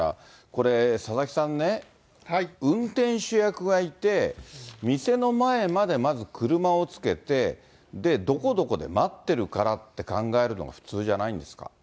これ、佐々木さんね、運転手役がいて、店の前までまず車をつけて、どこどこで待ってるからって考えるのが普通じゃないんですか。